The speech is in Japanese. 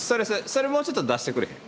それもうちょっと出してくれへん？